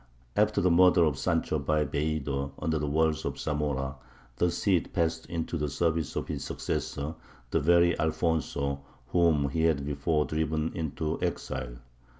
After the murder of Sancho by Bellido, under the walls of Zamora, the Cid passed into the service of his successor, the very Alfonso whom he had before driven into exile.